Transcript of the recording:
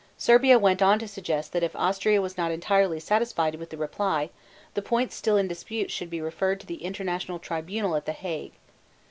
Serbia went on to suggest that if Austria was not entirely satisfied with the reply, the points still in dispute should be referred to the international tribunal at The Hague.